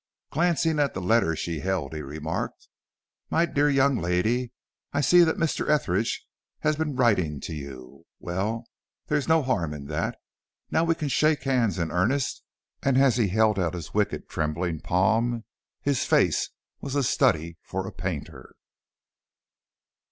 Glancing at the letter she held, he remarked: "My dear young lady, I see that Mr. Etheridge has been writing to you. Well, there is no harm in that. Now we can shake hands in earnest"; and as he held out his wicked, trembling palm, his face was a study for a painter.